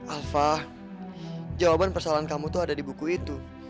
alfa jawaban persoalan kamu tuh ada di buku itu